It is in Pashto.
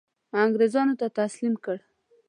انګرېزانو ته تسلیم کړ.